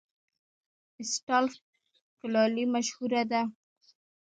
استالف کلالي مشهوره ده؟